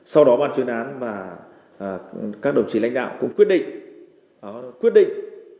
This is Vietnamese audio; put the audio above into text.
sau đó ban chuyên án và các đồng chí lãnh đạo cũng quyết định